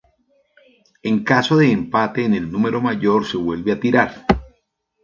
En caso de empate en el número mayor se vuelve a tirar.